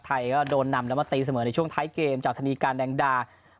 ก็โดนนำแล้วมาตีเสมอในช่วงท้ายเกมจากธนีการแดงดา